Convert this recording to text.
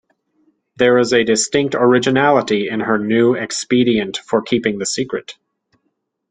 There is a distinct originality in her new expedient for keeping the secret.